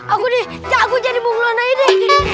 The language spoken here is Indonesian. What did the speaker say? aku nih aku jadi bung luana ini